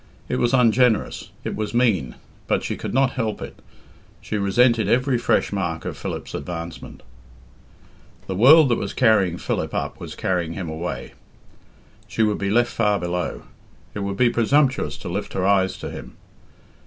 It was ungenerous, it was mean, but she could not help it she resented every fresh mark of Philip's advancement. The world that was carrying Philip up was carrying him away. She would be left far below. It would be presumptuous to lift her eyes to him.